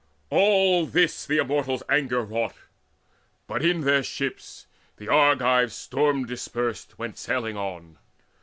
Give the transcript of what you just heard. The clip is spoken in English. All this The Immortals' anger wrought. But in their ships The Argives storm dispersed went sailing on.